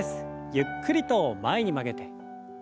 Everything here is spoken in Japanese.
ゆっくりと前に曲げて。